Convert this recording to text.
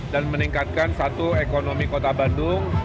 dan meningkatkan satu ekonomi kota bandung